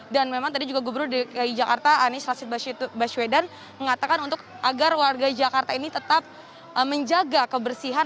memang tadi juga gubernur dki jakarta anies rashid baswedan mengatakan untuk agar warga jakarta ini tetap menjaga kebersihan